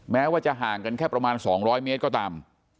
แม้ว่าจะห่างกันแค่ประมาณ๒๐๐เมตรก็ตาม